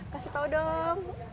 kasih tau dong